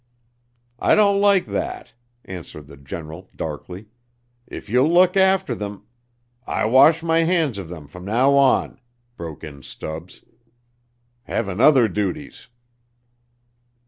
"I don't like that," answered the General, darkly. "If you'll look after them " "I wash my hands of them from now on," broke in Stubbs. "Havin' other duties."